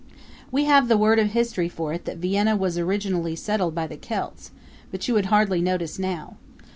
We have the word of history for it that Vienna was originally settled by the Celts, but you would hardly notice it now.